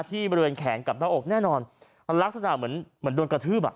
บริเวณแขนกับหน้าอกแน่นอนลักษณะเหมือนเหมือนโดนกระทืบอ่ะ